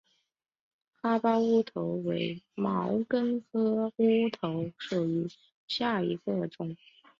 哈巴乌头为毛茛科乌头属下的一个种。